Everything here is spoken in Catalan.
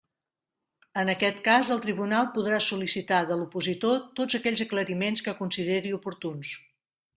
En aquest cas el Tribunal podrà sol·licitar de l'opositor tots aquells aclariments que consideri oportuns.